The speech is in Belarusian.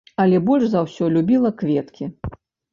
Але больш за ўсё любіла кветкі.